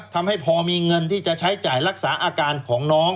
ทำให้พอมีเงินที่จะใช้จ่ายรักษาอาการของน้อง